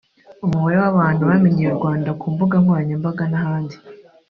umubare w’abantu bamenyeye u Rwanda ku mbuga nkoranyamabaga n’ahandi